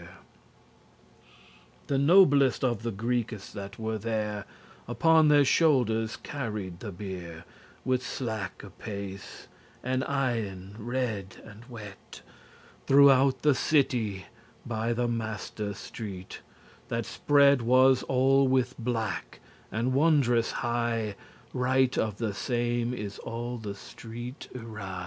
expression The noblest of the Greekes that there were Upon their shoulders carried the bier, With slacke pace, and eyen red and wet, Throughout the city, by the master* street, *main <86> That spread was all with black, and wondrous high Right of the same is all the street y wrie.